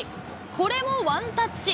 これもワンタッチ。